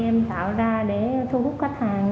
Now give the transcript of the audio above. em tạo ra để thu hút khách hàng